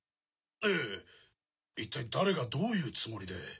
ええ一体誰がどういうつもりで。